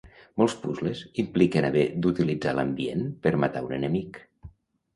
Molts puzles impliquen haver d'utilitzar l'ambient per matar un enemic.